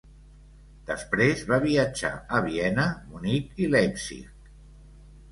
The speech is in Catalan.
Després va viatjar a Viena, Munic i Leipzig.